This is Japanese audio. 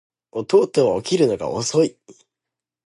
弟は起きるのが遅い